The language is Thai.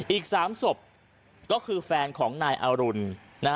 อีก๓ศพก็คือแฟนของนายอรุณ